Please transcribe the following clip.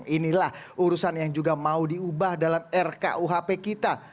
inilah urusan yang juga mau diubah dalam rkuhp kita